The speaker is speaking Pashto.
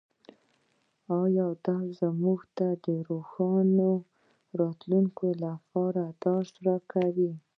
دا موږ ته د روښانه راتلونکي لپاره درس راکوي